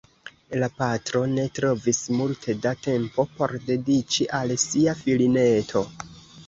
La patro ne trovis multe da tempo por dediĉi al sia filineto.